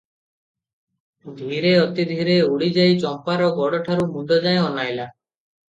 ଧୀରେ, ଅତି ଧୀରେ ଉଠିଯାଇ ଚମ୍ପାର ଗୋଡ଼ଠାରୁ ମୁଣ୍ତ ଯାଏ ଅନାଇଲା ।